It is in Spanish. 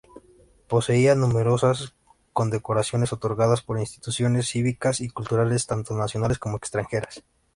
Poseía numerosas condecoraciones otorgadas por instituciones cívicas y culturales, tanto nacionales como extranjeras.